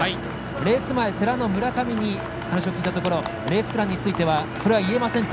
レース前、世羅の村上に話を聞いたところレースプランについてはそれは言えませんと。